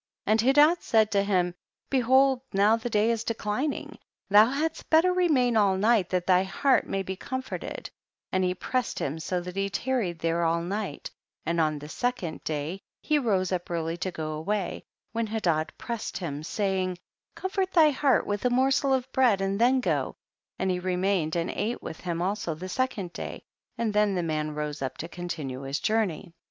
25. And Hedad said to him, be hold now the day is declining, thou hadst better remain all night that thy heart may be comforted ; and he pressed him so that he tarried there all night, and on the second day he rose up early to go away, when He dad pressed him, saying, comfort thy heart vi'ith a morsel of bread and then go; and he remained and ate with him also the second day, and then the man rose up to continue his journey.